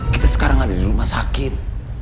kita sekarang ada di rumah sakit